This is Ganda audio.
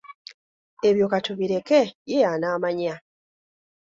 Ebyo katubireke ye y'anaamanya.